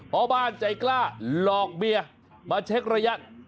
พ่อบ้านใจกล้าหลอกเมียมาเช็กระยะ